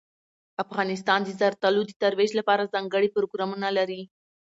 افغانستان د زردالو د ترویج لپاره ځانګړي پروګرامونه لري.